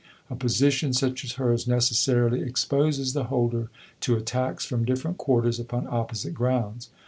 A position such as hers necessarily exposes the holder to attacks from different quarters upon opposite grounds.